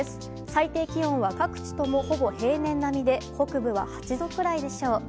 最低気温は各地ともほぼ平年並みで北部は８度くらいでしょう。